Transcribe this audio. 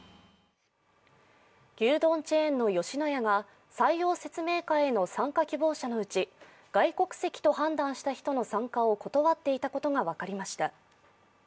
牛丼チェーンの吉野家が採用説明会の参加希望者のうち外国籍と判断した人の参加を断っていたことが分かりました。